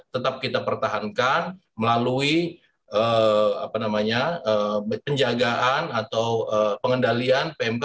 tetap kita pertahankan melalui penjagaan atau pengendalian pmk